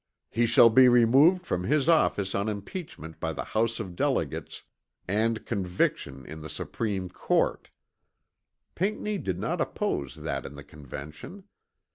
"He shall be removed from his office on impeachment by the House of Delegates and conviction in the Supreme Court." Pinckney did not oppose that in the Convention.